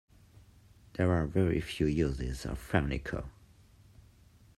There are very few uses of Fernico.